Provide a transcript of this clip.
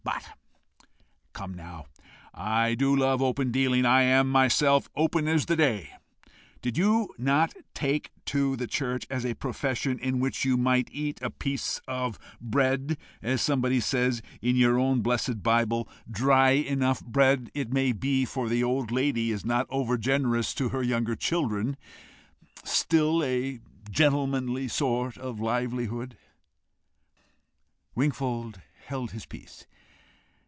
But come now I do love open dealing I am myself open as the day did you not take to the church as a profession, in which you might eat a piece of bread as somebody says in your own blessed Bible dry enough bread it may be, for the old lady is not over generous to her younger children still a gentlemanly sort of livelihood?" Wingfold held his peace.